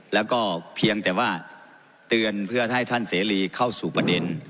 แล้วก็เพียงแต่ว่าเตือนเพื่อให้ท่านเสรีเข้าสู่ประเด็น